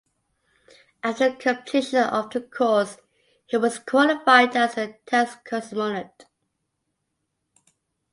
After completion of the course, he was qualified as a test-cosmonaut.